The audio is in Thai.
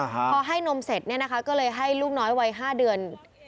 พอให้นมเสร็จเนี่ยนะคะก็เลยให้ลูกน้อยวัย๕เดือน